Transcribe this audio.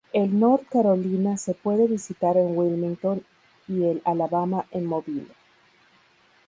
El "North Carolina" se puede visitar en Wilmington y el "Alabama" en Mobile.